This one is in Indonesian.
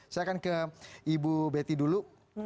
saya akan ke ibu betty dulu